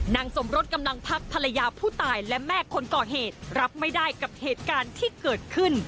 สมรสกำลังพักภรรยาผู้ตายและแม่คนก่อเหตุรับไม่ได้กับเหตุการณ์ที่เกิดขึ้น